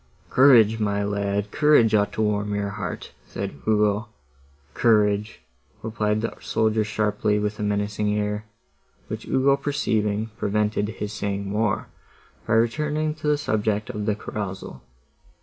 "Courage, my lad, courage ought to warm your heart," said Ugo. "Courage!" replied the soldier sharply, with a menacing air, which Ugo perceiving, prevented his saying more, by returning to the subject of the carousal.